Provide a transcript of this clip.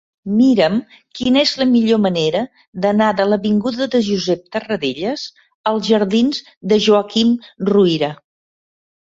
Mira'm quina és la millor manera d'anar de l'avinguda de Josep Tarradellas als jardins de Joaquim Ruyra.